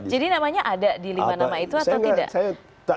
jadi namanya ada di lima nama itu atau tidak